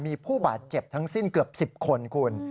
มีผู้บาดเจ็บทั้งสิ้นเกือบ๑๐คนคุณ